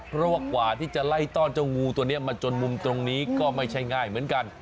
เพราะว่ากว่าที่จะไล่ต้อนเจ้างูตัวนี้มาจนมุมตรงนี้ก็ไม่ใช่ง่ายเหมือนกัน